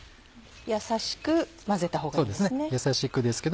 やさしく混ぜたほうがいいですね。